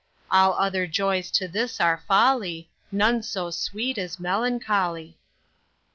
All other joys to this are folly, None so sweet as melancholy.